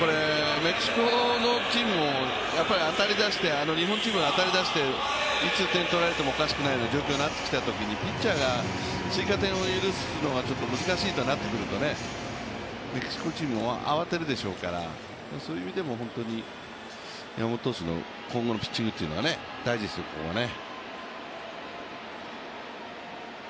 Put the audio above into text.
メキシコのチームも日本チームが当たりだしていつ点を取られてもおかしくないような状況になってきたときにピッチャーが追加点を許すのは難しいとなってくると、メキシコチームも慌てるでしょうからそういう意味でも山本投手の今後のピッチングは大事ですよね。